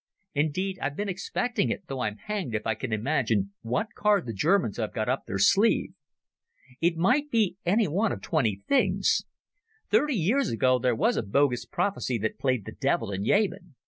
Indeed, I've been expecting it, though I'm hanged if I can imagine what card the Germans have got up their sleeve. It might be any one of twenty things. Thirty years ago there was a bogus prophecy that played the devil in Yemen.